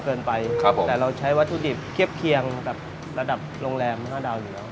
แต่เราใช้วัตถุดิบเคียบเคียงระดับโรงแรม๕ดาวอยู่แล้ว